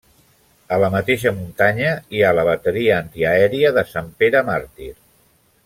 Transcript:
A la mateixa muntanya hi ha la Bateria antiaèria de Sant Pere Màrtir.